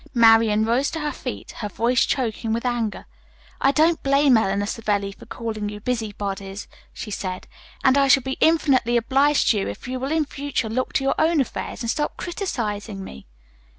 Marian rose to her feet, her voice choking with anger. "I don't blame Eleanor Savelli for calling you busy bodies," she said. "And I shall be infinitely obliged to you if you will in future look to your own affairs and stop criticizing me."